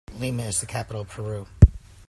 Lima is the capital of Peru.